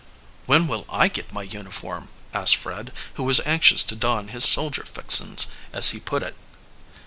"When will I get my uniform?" asked Fred, who was anxious to don his "soldier fixings," as he put it.